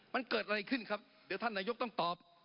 มันเกิดอะไรขึ้นครับเดี๋ยวท่านนายกต้องตอบ